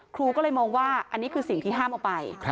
ครูก็เลยมองว่าอันนี้คือสิ่งที่ห้ามเอาไป